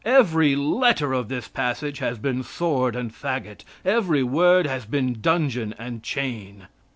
Every letter of this passage has been sword and fagot; every word has been dungeon and chain.